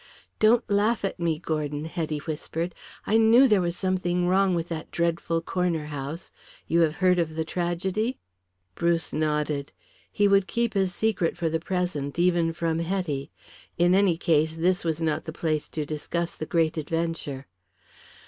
"Don't laugh at me, Gordon," Hetty whispered. "I knew there was something wrong with that dreadful corner house. You have heard of the tragedy?" Bruce nodded. He would keep his secret for the present even from Hetty. In any case this was not the place to discuss the great adventure.